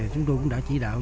chúng tôi cũng đã chỉ đạo